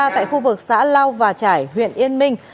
tại khu vực xã lao và trải huyện yên minh